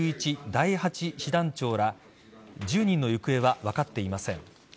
第８師団長ら１０人の行方は分かっていません。